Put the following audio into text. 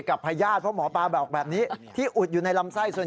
กับบางอย่างด้วย